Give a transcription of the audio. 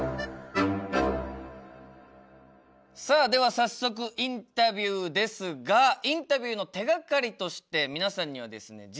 さあでは早速インタビューですがインタビューの手がかりとして皆さんにはですね